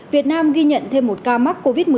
việt nam ghi nhận thêm một ca mắc covid một mươi chín